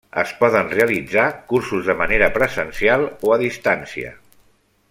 Es poden realitzar cursos de manera presencial o a distància.